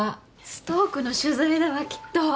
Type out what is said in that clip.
『ストーク』の取材だわきっと。